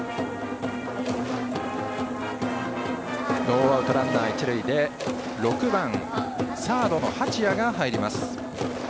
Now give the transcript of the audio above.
ノーアウトランナー、一塁で６番、サードの八谷が入ります。